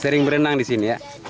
sering berenang di sini ya